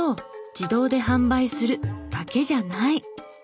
自動で販売するだけじゃない！